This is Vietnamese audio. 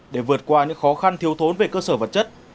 để vượt qua những khó khăn thiếu thốn về cơ sở vật chất